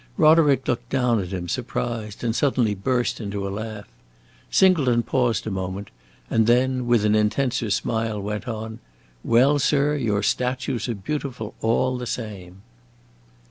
Roderick looked down at him surprised, and suddenly burst into a laugh. Singleton paused a moment and then, with an intenser smile, went on: "Well, sir, your statues are beautiful, all the same!"